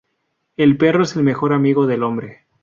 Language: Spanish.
El perro es el mejor amigo del hombre